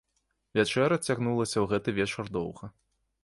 Вячэра цягнулася ў гэты вечар доўга.